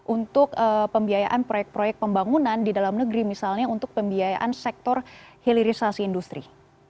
untuk pembiayaan proyek proyek pembangunan di dalam negeri misalnya untuk pembiayaan sektor hilirisasi industri